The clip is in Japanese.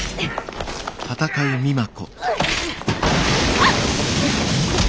あっ！